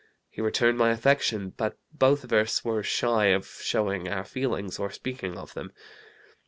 He returned my affection, but both of us were shy of showing our feelings or speaking of them.